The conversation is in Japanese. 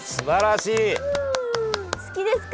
好きですか？